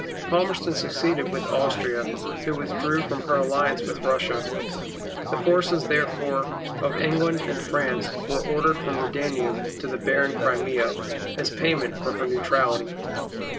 Palmerston succeeded with Austria, who withdrew from her alliance with Russia. The forces, therefore, of England and France, were ordered from the Danube to the barren Crimea, as payment for her neutrality.